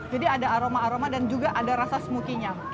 jadi ada aroma aroma dan juga ada rasa smokinya